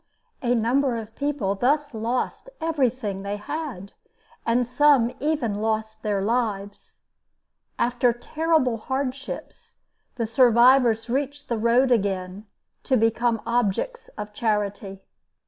A number of people thus lost everything they had, and some even lost their lives. After terrible hardships, the survivors reached the road again, to become objects of charity.